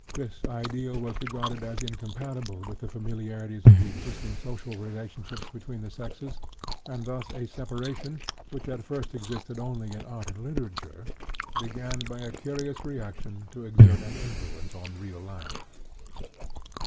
This ideal was regarded as incompatible with the familiarities of the existing social relationships between the sexes, and thus a separation, which at first existed only in art and literature, began by a curious reaction to exert an influence on real life.